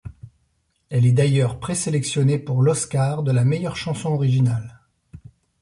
Elle est d’ailleurs présélectionnée pour l'Oscar de la meilleure chanson originale.